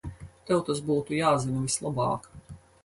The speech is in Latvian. Tev tas būtu jāzina vislabāk.